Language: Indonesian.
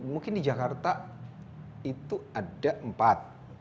mungkin di jakarta itu ada empat